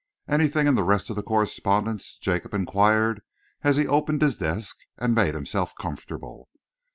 "Anything in the rest of the correspondence?" Jacob enquired, as he opened his desk and made himself comfortable.